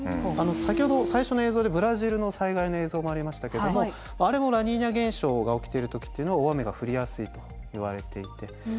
先ほど最初の映像でブラジルの災害の映像もありましたけどもあれもラニーニャ現象が起きてる時っていうのは大雨が降りやすいといわれていて。